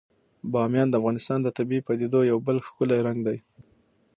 بامیان د افغانستان د طبیعي پدیدو یو بل ښکلی رنګ دی.